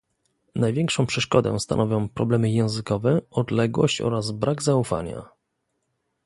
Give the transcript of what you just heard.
Największą przeszkodę stanowią problemy językowe, odległość oraz brak zaufania